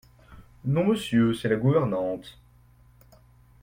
Non, Monsieur, c’est la gouvernante.